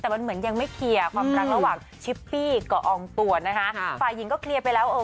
แบบอ่าฝ่าหญิงก็เคลียร์แล้วเอย